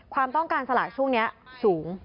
ความต้องการสลากช่วงนี้สูง